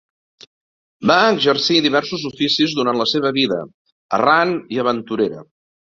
Va exercir diversos oficis durant la seva vida, errant i aventurera.